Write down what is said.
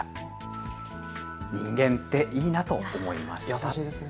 優しいですね。